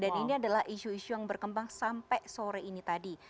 dan ini adalah isu isu yang berkembang sampai sore ini tadi